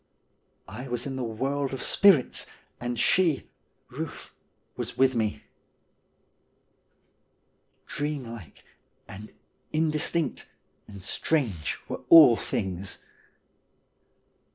I was in the world of spirits and she (Euth) was with me. Dream like and indistinct and strange were all things.